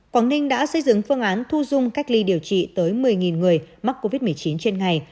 quảng ninh đã xây dựng phương án thu dung cách ly điều trị tới một mươi người mắc covid một mươi chín trên ngày